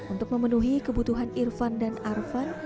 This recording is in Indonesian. untuk memenuhi kebutuhan irfan dan arvan